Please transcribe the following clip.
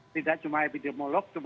tidak cuma epidemiolog